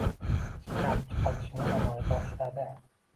ishlab chiqilishini amalga oshiradi;